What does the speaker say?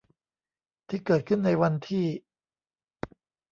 ที่เกิดขึ้นในวันที่